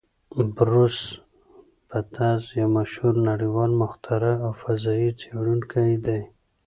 بروس بتز یو مشهور نړیوال مخترع او فضايي څېړونکی دی.